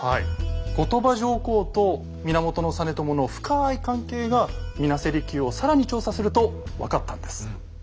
後鳥羽上皇と源実朝の深い関係が水無瀬離宮を更に調査すると分かったんです。